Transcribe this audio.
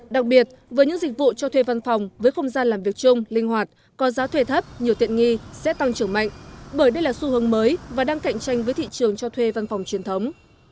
đặc biệt với những dịch vụ cho thuê văn phòng với không gian làm việc chung linh hoạt có giá thuê thấp nhiều tiện nghi sẽ tăng trưởng mạnh bởi đây là xu hướng mới và đang cạnh tranh với thị trường cho thuê văn phòng truyền thống